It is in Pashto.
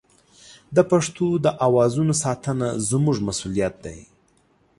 د پښتو د اوازونو ساتنه زموږ مسوولیت دی.